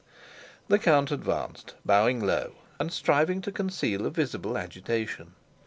The count advanced, bowing low, and striving to conceal a visible agitation.